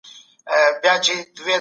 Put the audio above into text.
سالم ذهن ناکامي نه زیاتوي.